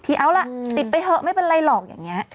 เอาล่ะติดไปเถอะไม่เป็นไรหรอกอย่างนี้